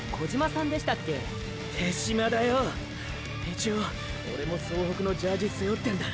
一応オレも総北のジャージ背負ってんだ。